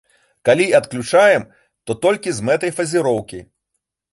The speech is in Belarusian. Калі і адключаем, то толькі з мэтаў фазіроўкі.